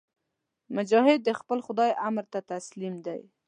مجاهد د خپل خدای امر ته تسلیم دی.